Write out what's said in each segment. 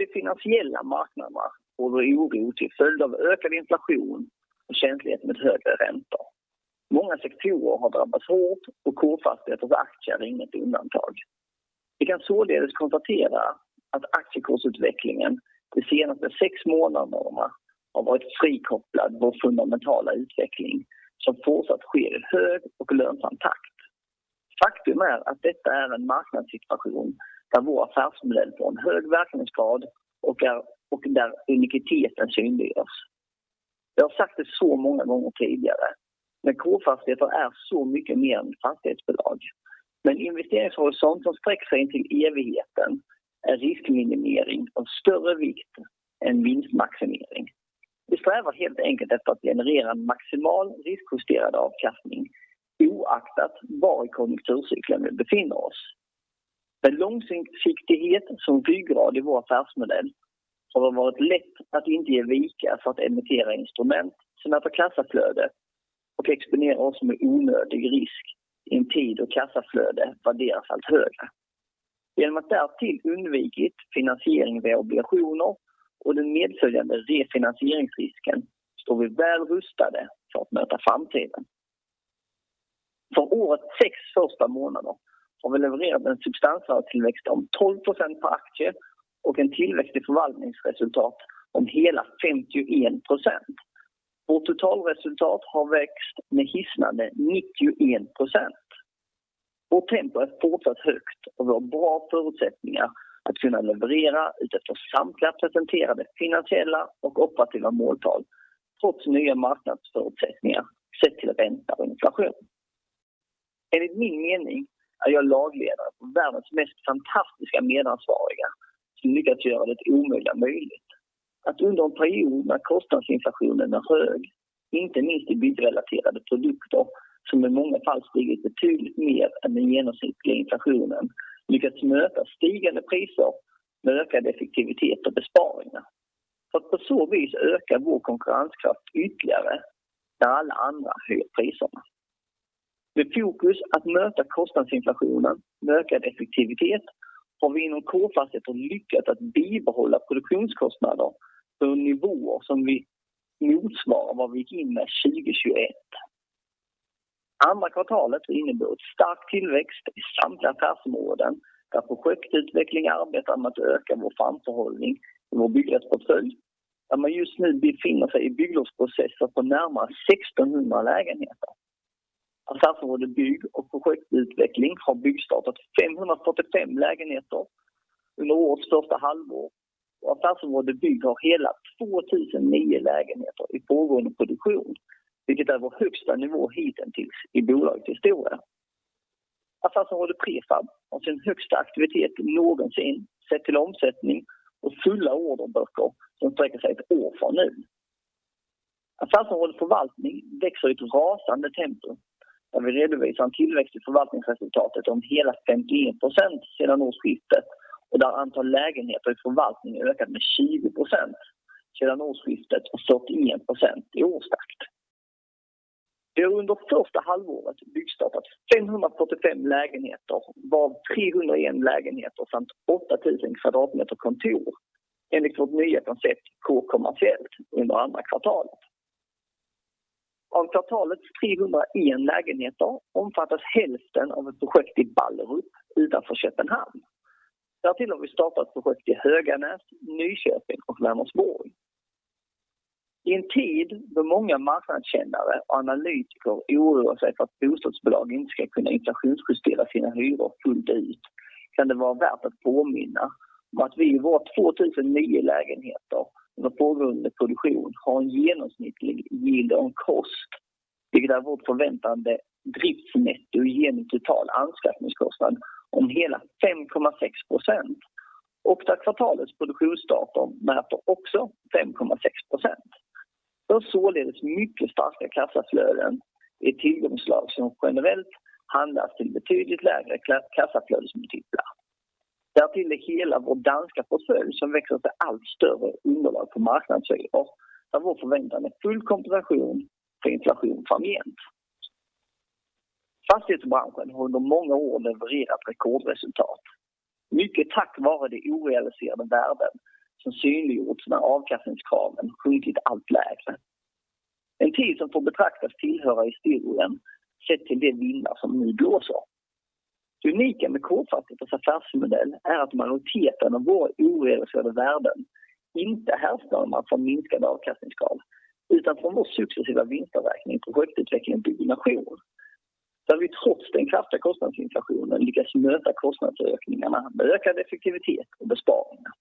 På de finansiella marknaderna råder det oro till följd av ökad inflation och känslighet med högre räntor. Många sektorer har drabbats hårt och K-Fastigheters aktier är inget undantag. Vi kan således konstatera att aktiekursutvecklingen de senaste sex månaderna har varit frikopplad från vår fundamentala utveckling som fortsatt sker i hög och lönsam takt. Faktum är att detta är en marknadssituation där vår affärsmodell får en hög verkningsgrad och är och där unikiteten synliggörs. Jag har sagt det så många gånger tidigare, men K-Fastigheter är så mycket mer än fastighetsbolag. Med en investeringshorisont som sträcker sig in till evigheten är riskminimering av större vikt än vinstmaximering. Vi strävar helt enkelt efter att generera en maximal riskjusterad avkastning, oaktat var i konjunkturcykeln vi befinner oss. Med långsiktighet som byggsten i vår affärsmodell har det varit lätt att inte ge vika för att emittera instrument som efterfrågar kassaflöde och exponera oss med onödig risk i en tid då kassaflöde värderas allt högre. Genom att därtill undvikit finansiering via obligationer och den medföljande refinansieringsrisken står vi väl rustade för att möta framtiden. För årets första 6 månader har vi levererat en substansvärdetillväxt om 12% på aktier och en tillväxt i förvaltningsresultat om hela 51%. Vårt totalresultat har växt med hisnande 99%. Vårt tempo är fortsatt högt och vi har bra förutsättningar att kunna leverera utifrån samtliga presenterade finansiella och operativa måltal, trots nya marknadsförutsättningar sett till ränta och inflation. Enligt min mening är jag lagledare för världens mest fantastiska medarbetare som lyckats göra det omöjliga möjligt. Att under en period när kostnadsinflationen är hög, inte minst i byggrelaterade produkter som i många fall stigit betydligt mer än den genomsnittliga inflationen, lyckats möta stigande priser med ökad effektivitet och besparingar. För att på så vis öka vår konkurrenskraft ytterligare när alla andra höjer priserna. Med fokus att möta kostnadsinflationen med ökad effektivitet har vi inom K-Fastigheter lyckats att bibehålla produktionskostnader på nivåer som vi motsvarar vad vi gick in med 2021. Andra kvartalet innebar en stark tillväxt i samtliga affärsområden där projektutveckling arbetar med att öka vår framförhållning i vår bygglovsportfölj, där man just nu befinner sig i bygglovsprocesser på närmare 1,600 lägenheter. Affärsområde Bygg och projektutveckling har byggstartat 545 lägenheter under årets första halvår och affärsområde Bygg har hela 2,010 lägenheter i pågående produktion, vilket är vår högsta nivå hitintills i bolagets historia. Affärsområde Prefab har sin högsta aktivitet någonsin sett till omsättning och fulla orderböcker som sträcker sig 1 år från nu. Affärsområde Förvaltning växer i ett rasande tempo, där vi redovisar en tillväxt i förvaltningsresultatet om hela 51% sedan årsskiftet och där antal lägenheter i förvaltning ökat med 20% sedan årsskiftet och 41% i årstakt. Vi har under första halvåret byggstartat 545 lägenheter, varav 301 lägenheter samt 8,000 kvadratmeter kontor enligt vårt nya koncept K-Kommersiellt under andra kvartalet. Av kvartalets 301 lägenheter omfattas hälften av ett projekt i Ballerup utanför Köpenhamn. Därtill har vi startat projekt i Höganäs, Nyköping och Vänersborg. I en tid då många marknadskännare och analytiker oroar sig för att bostadsbolag inte ska kunna inflationsjustera sina hyror fullt ut kan det vara värt att påminna om att vi i våra 2,010 lägenheter under pågående produktion har en genomsnittlig yield on cost, vilket är vårt förväntade driftsnetto genom total anskaffningskostnad om hela 5.6%. Där kvartalets produktionsstarter mappar också 5.6%. Vi har således mycket starka kassaflöden i ett tillgångsslag som generellt handlas till betydligt lägre kassaflödesmultiplar. Därtill är hela vår danska portfölj som växer för allt större underlag på marknadshyra, där vår förväntan är full kompensation för inflation framgent. Fastighetsbranschen har under många år levererat rekordresultat. Mycket tack vare de orealiserade värden som synliggjorts när avkastningskraven sjunkit allt lägre. En tid som får betraktas tillhöra historien sett till de vindar som nu blåser. Det unika med K-Fastigheters affärsmodell är att majoriteten av vår orealiserade värden inte härstammar från minskade avkastningskrav, utan från vår successiva vinstavräkning i projektutveckling och byggnation. Där vi trots den kraftiga kostnadsinflationen lyckats möta kostnadsökningarna med ökad effektivitet och besparingar.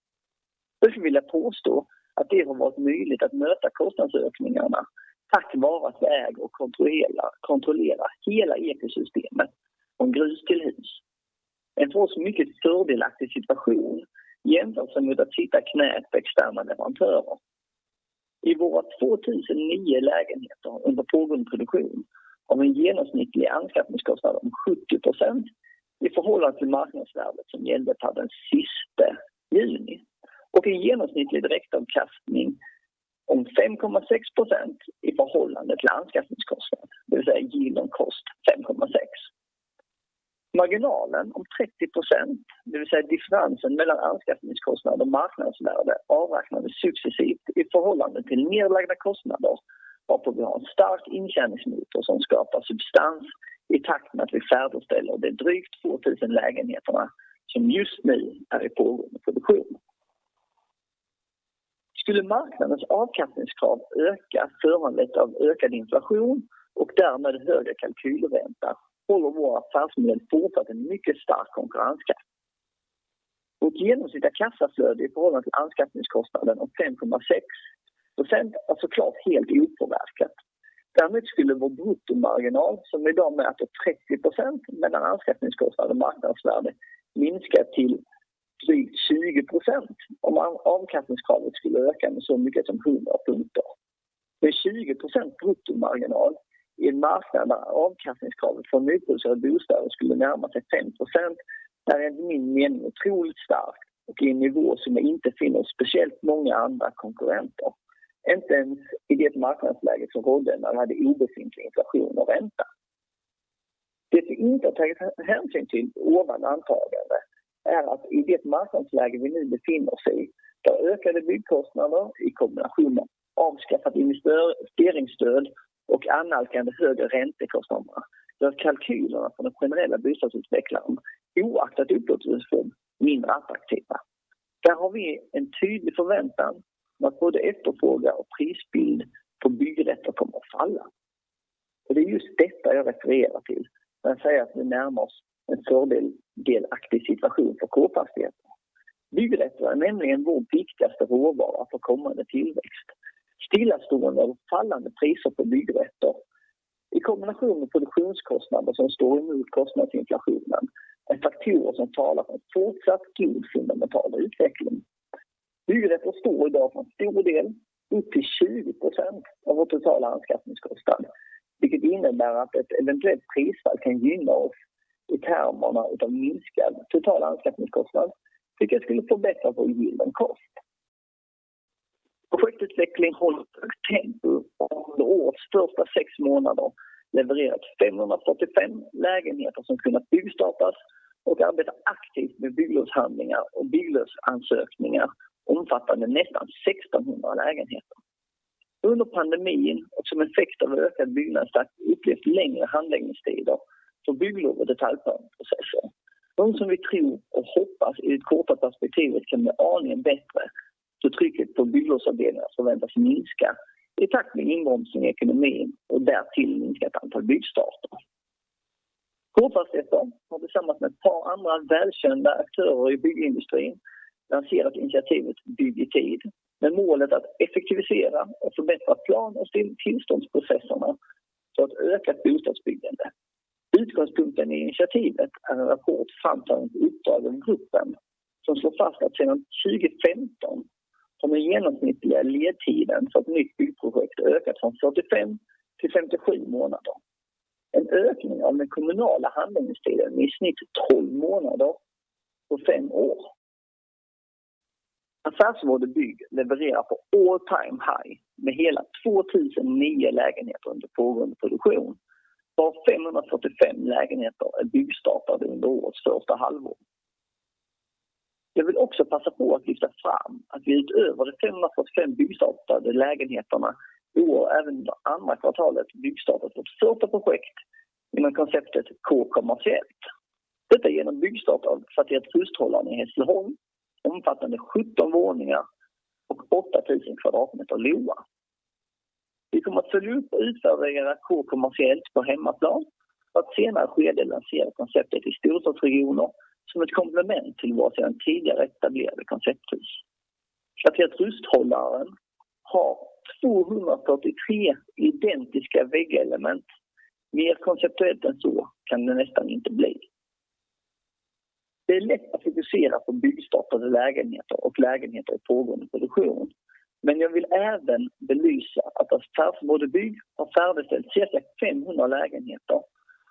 Varför vill jag påstå att det har varit möjligt att möta kostnadsökningarna tack vare att vi äger och kontrollerar hela ekosystemet från grus till hus? En för oss mycket fördelaktig situation jämfört med att sitta knät på externa leverantörer. I våra 2,010 lägenheter under pågående produktion har vi en genomsnittlig anskaffningskostnad om 70% i förhållande till marknadsvärdet som gällde per den 31 juni och en genomsnittlig direktavkastning om 5.6% i förhållande till anskaffningskostnad, det vill säga yield on cost 5.6. Marginalen om 30%, det vill säga differensen mellan anskaffningskostnad och marknadsvärde, avräknades successivt i förhållande till nerlagda kostnader varpå vi har en stark intjäningsmotor som skapar substans i takt med att vi färdigställer de drygt 2,000 lägenheterna som just nu är i pågående produktion. Skulle marknadens avkastningskrav öka föranlett av ökad inflation och därmed högre kalkylränta håller vår affärsmodell fortsatt en mycket stark konkurrenskraft. Vårt genomsnittliga kassaflöde i förhållande till anskaffningskostnaden om 5.6% är så klart helt opåverkat. Däremot skulle vår bruttomarginal, som i dag mäter 30% mellan anskaffningskostnad och marknadsvärde, minska till drygt 20% om avkastningskravet skulle öka med så mycket som 100 punkter. Med 20% bruttomarginal i en marknad där avkastningskravet för nyproducerade bostäder skulle närma sig 5% är enligt min mening otroligt stark och är en nivå som inte finns hos speciellt många andra konkurrenter. Inte ens i det marknadsläge som rådde när vi hade obefintlig inflation och ränta. Det vi inte har tagit hänsyn till i ovan antagande är att i det marknadsläge vi nu befinner oss, där ökade byggkostnader i kombination med avskaffat investeringsstöd och annalkande högre räntekostnader gör kalkylerna för den generella bostadsutvecklaren oaktat upplåtelseform mindre attraktiva. Där har vi en tydlig förväntan om att både efterfrågan och prisbild på byggrätter kommer att falla. Det är just detta jag refererar till när jag säger att vi närmar oss en fördelaktig situation för K-Fastigheter. Byggrätter är nämligen vår viktigaste råvara för kommande tillväxt. Stillastående och fallande priser på byggrätter i kombination med produktionskostnader som står emot kostnadsinflationen är faktorer som talar för en fortsatt god fundamental utveckling. Byggrätter står i dag för en stor del, upp till 20%, av vår totala anskaffningskostnad, vilket innebär att ett eventuellt prisfall kan gynna oss i termer av minskad total anskaffningskostnad, vilket skulle förbättra vår yield on cost. Projektutveckling håller högt tempo och under årets första 6 månader levererat 545 lägenheter som kunnat byggstartas och arbetar aktivt med bygglovshandlingar och bygglovsansökningar omfattande nästan 1,600 lägenheter. Under pandemin och som en effekt av ökad byggnadstakt upplevs längre handläggningstider för bygglov- och detaljplaneprocesser. Något som vi tror och hoppas i det korta perspektivet kan bli aningen bättre då trycket på bygglovsavdelningarna förväntas minska i takt med ingroenden i ekonomin och därtill minskat antal byggstarter. K-Fastigheter har tillsammans med ett par andra välkända aktörer i byggindustrin lanserat initiativet Bygg i tid med målet att effektivisera och förbättra plan- och tillståndsprocesserna för ett ökat bostadsbyggande. Utgångspunkten i initiativet är en rapport framtagen av Gruppen som slår fast att sedan 2015 har den genomsnittliga ledtiden för ett nytt byggprojekt ökat från 45 till 57 månader. En ökning av den kommunala handläggningstiden med i snitt 12 månader på 5 år. Affärsområde Bygg levererar all time high med hela 2,009 lägenheter under pågående produktion var 545 lägenheter är byggstartade under årets första halvår. Jag vill också passa på att lyfta fram att vi utöver de 545 byggstartade lägenheterna i år även under andra kvartalet byggstartat vårt första projekt inom konceptet K-Kommersiellt. Detta genom byggstart av Fastigheten Hushållaren i Hässleholm omfattande 17 våningar och 8,000 kvadratmeter LOA. Vi kommer att följa upp och utföra K-Kommersiellt på hemmaplan för att i senare skede lansera konceptet i storstadsregioner som ett komplement till våra sedan tidigare etablerade Koncepthus. Fastigheten Hushållaren har 283 identiska väggelement. Mer konceptuellt än så kan det nästan inte bli. Det är lätt att fokusera på byggstartade lägenheter och lägenheter i pågående produktion. Jag vill även belysa att Affärsområde Bygg har färdigställt cirka 500 lägenheter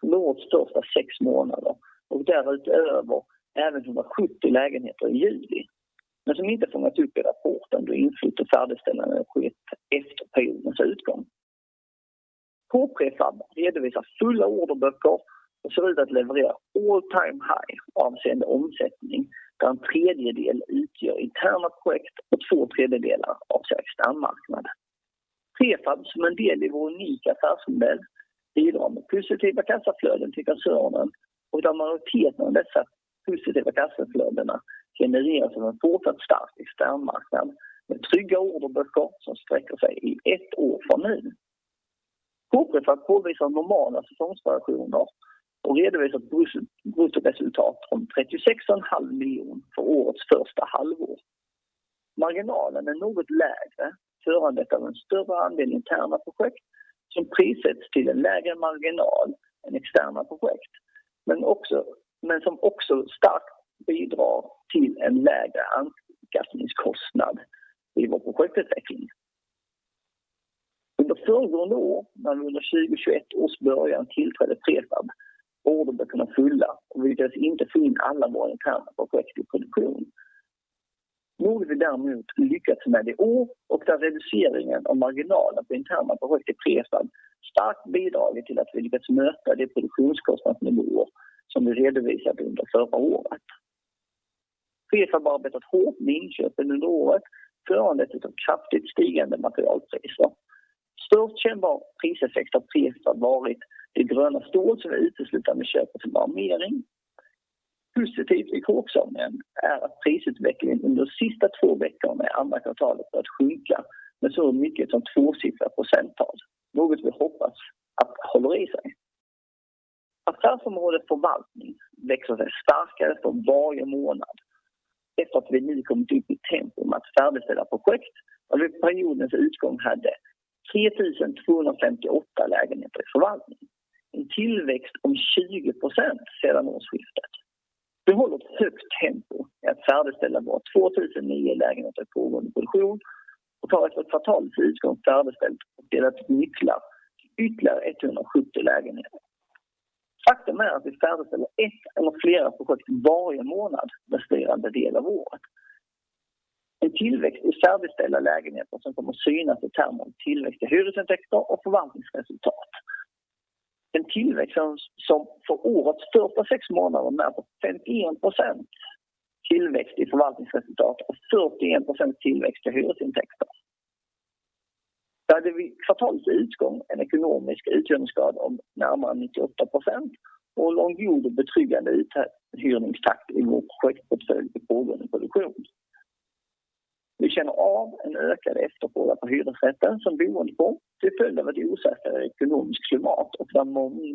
under årets första sex månader och därutöver även 170 lägenheter i juli. Som inte fångats upp i rapporten då influt och färdigställande skett efter periodens utgång. K-prefabb redovisar fulla orderböcker och ser ut att leverera all time high avseende omsättning, där 1/3 utgör interna projekt och 2/3 avser externmarknad. Prefab som en del i vår unika affärsmodell bidrar med positiva kassaflöden till koncernen och där majoriteten av dessa positiva kassaflödena genereras av en fortsatt stark externmarknad med trygga orderböcker som sträcker sig i ett år från nu. K-prefabb påvisar normala säsongsvariationer och redovisar bruttoresultat om 36.5 million för årets första halvår. Marginalen är något lägre föranlett av en större andel interna projekt som prissätts till en lägre marginal än externa projekt, men som också starkt bidrar till en lägre anskaffningskostnad i vår projektutveckling. Under föregående år, när jag under 2021 års början tillträdde Prefab, var orderböckerna fulla och vi lyckades inte få in alla våra interna projekt i produktion. Hade vi däremot lyckats med det och den reduceringen av marginalen på interna projekt i Prefab starkt bidragit till att vi lyckades möta de produktionskostnadsnivåer som vi redovisade under förra året. Prefab har arbetat hårt med inköpen under året på grund av kraftigt stigande materialpriser. Särskilt kännbar priseffekt i Prefab har varit det grönt stål som vi uteslutande köper för armering. Positivt är också att prisutvecklingen under sista två veckorna av andra kvartalet börjat sjunka med så mycket som tvåsiffriga procenttal. Något vi hoppas att håller i sig. Affärsområdet Förvaltning växer sig starkare för varje månad. Efter att vi nu kommit upp i tempo med att färdigställa projekt och vid periodens utgång hade 3,258 lägenheter i förvaltning. En tillväxt om 20% sedan årsskiftet. Vi håller ett högt tempo med att färdigställa våra 2,009 lägenheter i pågående produktion och har efter ett kvartal till utgång färdigställt och delat nycklar till ytterligare 170 lägenheter. Faktum är att vi färdigställer ett eller flera projekt varje månad resterande del av året. En tillväxt i färdigställda lägenheter som kommer synas i termer om tillväxt i hyresintäkter och förvaltningsresultat. En tillväxt som för årets första sex månader mäter 51% tillväxt i förvaltningsresultat och 41% tillväxt i hyresintäkter. Vid kvartalets utgång hade vi en ekonomisk uthyrningsgrad om närmare 98% och långtgående betryggande uthyrningstakt i vår projektportfölj med pågående produktion. Vi känner av en ökad efterfrågan på hyresrätter som boendeform. Till följd av ett osäkrare ekonomiskt klimat och där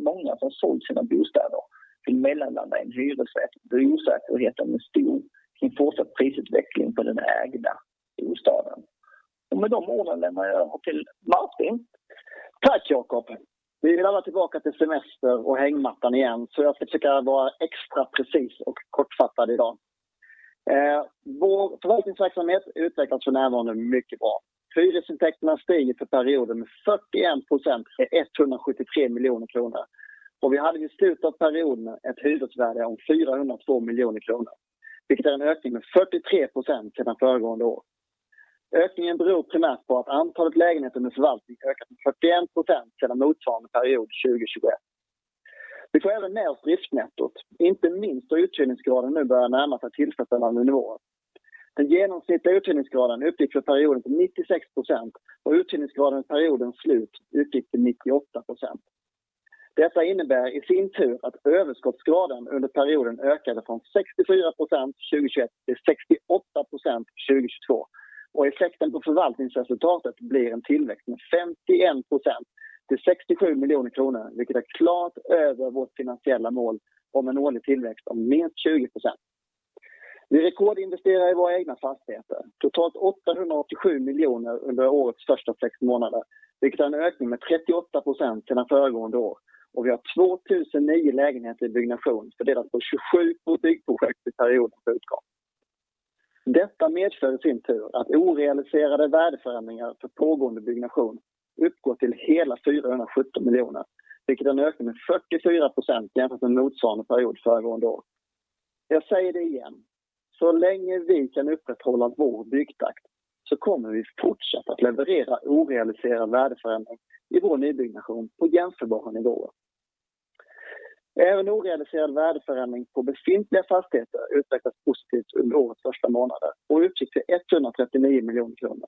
många som sålt sina bostäder vill mellanlanda i en hyresrätt då osäkerheten är stor kring fortsatt prisutveckling på den egna bostaden. Med de orden lämnar jag över till Martin. Tack Jacob. Vi vill alla tillbaka till semester och hängmattan igen, så jag ska försöka vara extra precis och kortfattad i dag. Vår förvaltningsverksamhet utvecklas för närvarande mycket bra. Hyresintäkterna stiger för perioden med 41% till 173 miljoner kronor. Vi hade vid slut av perioden ett hyresvärde om 402 miljoner kronor, vilket är en ökning med 43% sedan föregående år. Ökningen beror primärt på att antalet lägenheter med förvaltning ökat med 41% sedan motsvarande period 2021. Vi får även upp driftsnettot, inte minst då uthyrningsgraden nu börjar närma sig tillfredsställande nivåer. Den genomsnittliga uthyrningsgraden uppgick för perioden på 96% och uthyrningsgraden vid periodens slut uppgick till 98%. Detta innebär i sin tur att överskottsgraden under perioden ökade från 64% 2021 till 68% 2022. Effekten på förvaltningsresultatet blir en tillväxt med 51% till 67 miljoner kronor, vilket är klart över vårt finansiella mål om en årlig tillväxt om mer 20%. Vi rekordinvesterar i våra egna fastigheter. Totalt 887 miljoner under årets första sex månader, vilket är en ökning med 38% sedan föregående år. Vi har 2,009 lägenheter i byggnation fördelat på 27 byggprojekt vid periodens utgång. Detta medför i sin tur att orealiserade värdeförändringar för pågående byggnation uppgår till hela SEK 417 miljoner, vilket är en ökning med 44% jämfört med motsvarande period föregående år. Jag säger det igen. Så länge vi kan upprätthålla vår byggtakt så kommer vi fortsatt att leverera orealiserad värdeförändring i vår nybyggnation på jämförbara nivåer. Även orealiserad värdeförändring på befintliga fastigheter har utvecklats positivt under årets första månader och uppgick till 139 miljoner kronor.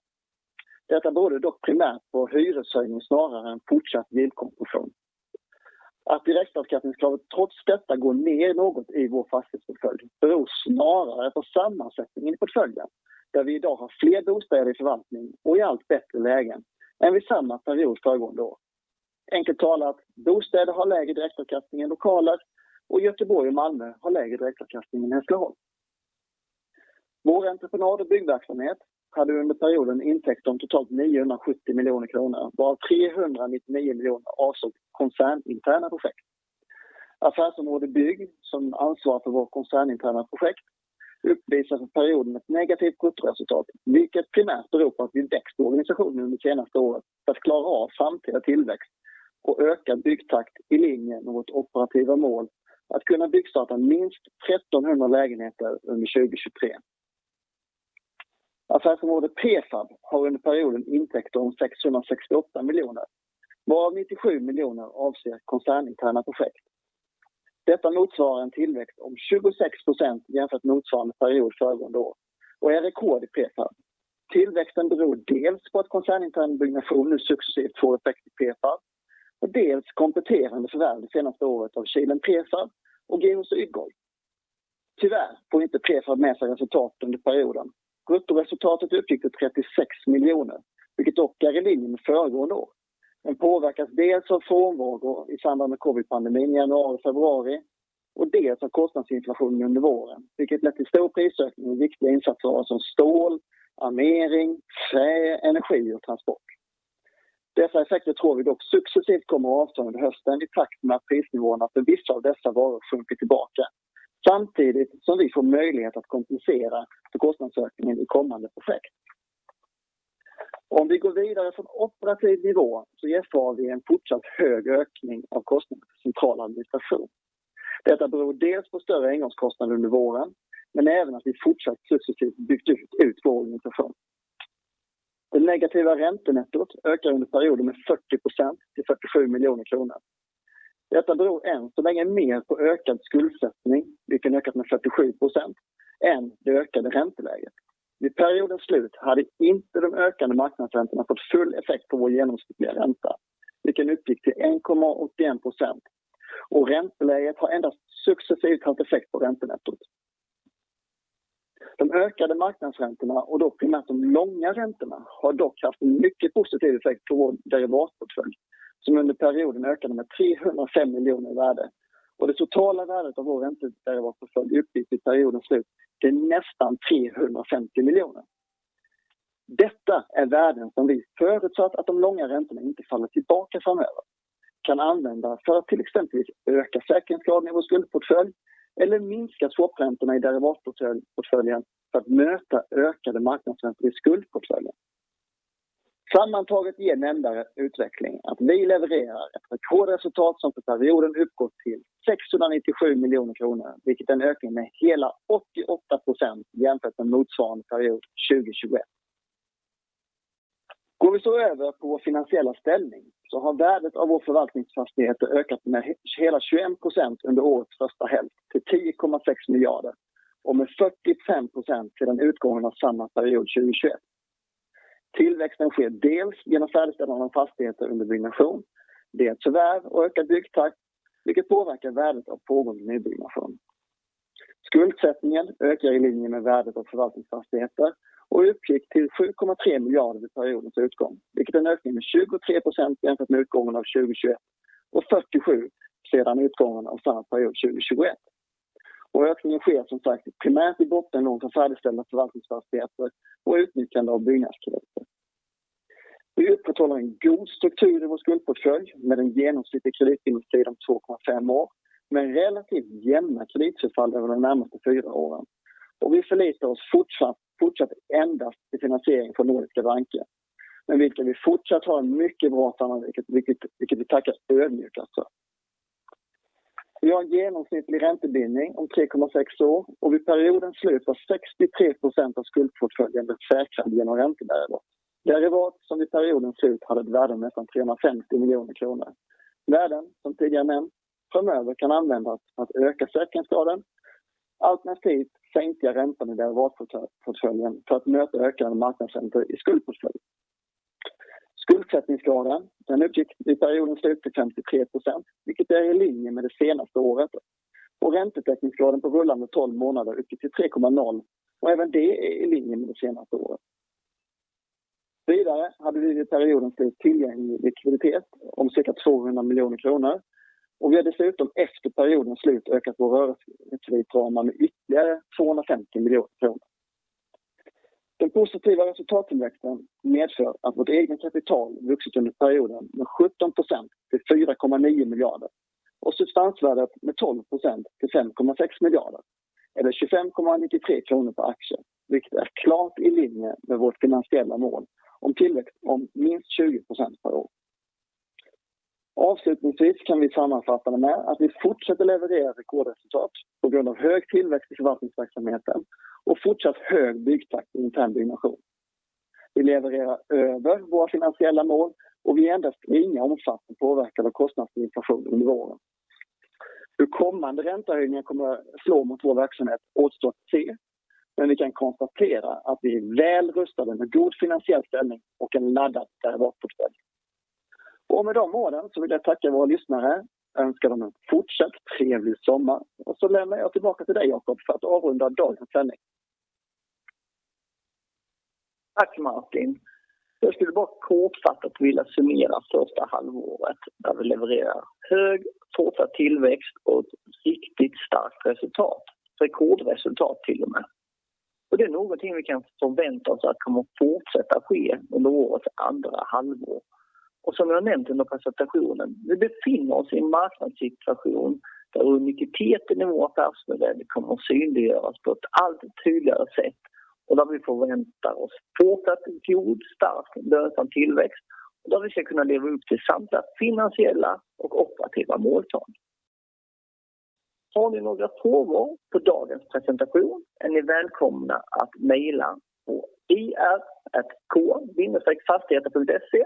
Detta beror dock primärt på hyreshöjning snarare än fortsatt yieldkompression. Direktavkastningsgraden trots detta går ner något i vår fastighetsportfölj beror snarare på sammansättningen i portföljen, där vi i dag har fler bostäder i förvaltning och i allt bättre lägen än vid samma period föregående år. Enkelt talat, bostäder har lägre direktavkastning än lokaler och Göteborg och Malmö har lägre direktavkastning än Hässleholm. Vår entreprenad och byggverksamhet hade under perioden intäkter om totalt 970 miljoner kronor, varav 399 miljoner avser koncerninterna projekt. Affärsområde Bygg, som ansvarar för vår koncerninterna projekt, uppvisar för perioden ett negativt gruppresultat, vilket primärt beror på att vi har växt organisationen under det senaste året för att klara av framtida tillväxt och öka byggtakt i linje med vårt operativa mål att kunna byggstarta minst 1,300 lägenheter under 2023. Affärsområde Prefab har under perioden intäkter om 668 miljoner, varav 97 miljoner avser koncerninterna projekt. Detta motsvarar en tillväxt om 26% jämfört med motsvarande period föregående år och är rekord i prefab. Tillväxten beror dels på att koncernintern byggnation nu successivt får effekt i prefab och dels kompletterande förvärv det senaste året av Kilen Prefab och GEOS Yggdre. Tyvärr får inte prefab med sig resultat under perioden. Gruppresultatet uppgick till 36 miljoner, vilket dock är i linje med föregående år. Den påverkas dels av frånvaro i samband med covid-pandemin i januari och februari och dels av kostnadsinflation under våren, vilket lett till stor prisökning med viktiga insatsvaror som stål, armering, trä, energi och transport. Dessa effekter tror vi dock successivt kommer avta under hösten i takt med att prisnivåerna för vissa av dessa varor sjunker tillbaka, samtidigt som vi får möjlighet att kompensera för kostnadsökningen i kommande projekt. Om vi går vidare från operativ nivå så erfår vi en fortsatt hög ökning av kostnaden för central administration. Detta beror dels på större engångskostnader under våren, men även att vi fortsatt successivt byggt ut vår organisation. Det negativa räntenettot ökar under perioden med 40% till 47 miljoner kronor. Detta beror än så länge mer på ökad skuldsättning, vilken ökat med 47% än det ökade ränteläget. Vid periodens slut hade inte de ökande marknadsräntorna fått full effekt på vår genomsnittliga ränta, vilken uppgick till 1.88%. Ränteläget har endast successivt haft effekt på räntenettot. De ökade marknadsräntorna och dock primärt de långa räntorna har dock haft en mycket positiv effekt på vår derivatportfölj, som under perioden ökade med 305 miljoner i värde. Det totala värdet av vår räntederivatportfölj uppgick vid periodens slut till nästan 350 miljoner. Detta är värden som vi förutsatt att de långa räntorna inte faller tillbaka framöver, kan använda för att till exempelvis öka säkerhetsgraden i vår skuldportfölj eller minska swapräntorna i derivatportföljen för att möta ökade marknadsräntor i skuldportföljen. Sammantaget ger denna utvecklingen att vi levererar ett rekordresultat som för perioden uppgår till 697 miljoner kronor, vilket är en ökning med hela 88% jämfört med motsvarande period 2021. Går vi så över på vår finansiella ställning så har värdet av vår förvaltningsfastigheter ökat med hela 21% under årets första hälft till 10.6 miljarder och med 45% sedan utgången av samma period 2021. Tillväxten sker dels genom färdigställande av fastigheter under byggnation, dels förvärv och ökad byggtakt, vilket påverkar värdet av pågående nybyggnation. Skuldsättningen ökar i linje med värdet av förvaltningsfastigheter och uppgick till 7.3 miljarder vid periodens utgång, vilket är en ökning med 23% jämfört med utgången av 2021 och 47 sedan utgången av samma period 2021. Ökningen sker som sagt primärt i bortlån från färdigställda förvaltningsfastigheter och utnyttjande av byggnadskrediter. Vi upprätthåller en god struktur i vår skuldportfölj med en genomsnittlig kreditbindningstid om 2.5 år, med en relativt jämn kreditförfall över de närmaste fyra åren. Vi förlitar oss fortsatt endast i finansiering från nordiska banker, med vilken vi fortsatt har ett mycket bra samarbete, vilket vi tackar ödmjukast för. Vi har en genomsnittlig räntebindning om 3.6 år och vid periodens slut var 63% av skuldportföljen säkrade genom räntederivat. Derivat som vid periodens slut hade ett värde om nästan 350 miljoner kronor. Värden som tidigare nämnt, framöver kan användas för att öka säkerhetsgraden. Alternativt sänka räntan i räntederivatportföljen för att möta ökande marknadsräntor i skuldportföljen. Skuldsättningsgraden, den uppgick vid periodens slut till 53%, vilket är i linje med det senaste året. Räntetäckningsgraden på rullande 12 månader uppgick till 3.0 och även det är i linje med det senaste året. Vidare hade vi vid periodens slut tillgänglig likviditet om cirka 200 miljoner kronor och vi har dessutom efter periodens slut ökat vår rörelsekreditram med ytterligare 250 miljoner kronor. Den positiva resultattillväxten medför att vårt eget kapital vuxit under perioden med 17% till 4.9 miljarder och substansvärdet med 12% till 5.6 miljarder eller 25.93 kronor per aktie, vilket är klart i linje med vårt finansiella mål om tillväxt om minst 20% per år. Avslutningsvis kan vi sammanfatta det med att vi fortsätter leverera rekordresultat på grund av hög tillväxt i förvaltningsverksamheten och fortsatt hög byggtakt inom intern byggnation. Vi levererar över våra finansiella mål och vi är endast i någon omfattning påverkade av kostnadsinflation under våren. Hur kommande räntehöjningen kommer att slå mot vår verksamhet återstår att se, men vi kan konstatera att vi är väl rustade med god finansiell ställning och en laddad derivatportfölj. Med de orden så vill jag tacka våra lyssnare, önska dem en fortsatt trevlig sommar och så lämnar jag tillbaka till dig, Jakob, för att avrunda dagens sändning. Tack Martin. Jag skulle bara kortfattat vilja summera första halvåret där vi levererar hög fortsatt tillväxt och ett riktigt starkt resultat, rekordresultat till och med. Det är någonting vi kan förvänta oss att komma att fortsätta ske under årets andra halvår. Som jag nämnt under presentationen, vi befinner oss i en marknadssituation där uniciteten i vår affärsmodell kommer att synliggöras på ett allt tydligare sätt och där vi förväntar oss fortsatt god, stark lönsam tillväxt och där vi ska kunna leva upp till samtliga finansiella och operativa måltavlor. Har ni några frågor på dagens presentation är ni välkomna att mejla på ir@k-fastigheter.se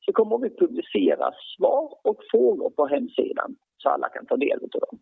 så kommer vi publicera svar och frågor på hemsidan så alla kan ta del av dem.